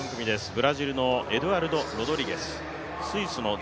ブラジルのエドゥアルド・ロドリゲス。